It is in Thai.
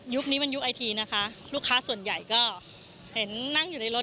นี้มันยุคไอทีนะคะลูกค้าส่วนใหญ่ก็เห็นนั่งอยู่ในรถ